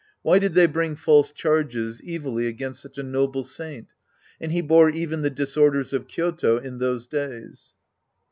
Why did they bring false charges evilly against such a noble saint ? And he bore even the disorders of Kyoto in those days.